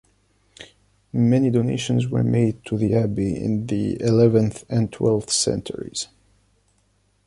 Many donations were made to the abbey in the eleventh and twelfth centuries.